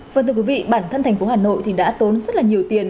phần thưa quý vị bản thân thành phố hà nội thì đã tốn rất là nhiều tiền